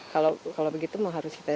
kalau begitu harus kita jual dengan harganya